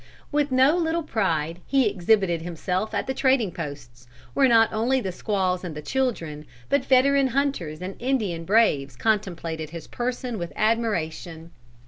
With no little pride he exhibited himself at the trading posts, where not only the squaws and the children, but veteran hunters and Indian braves contemplated his person with admiration.